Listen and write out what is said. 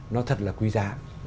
nó thật là quý giá